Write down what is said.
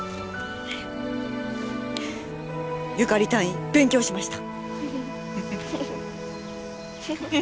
ユカリ隊員勉強しました。